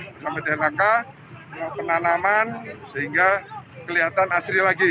bersama dlhk penanaman sehingga kelihatan asli lagi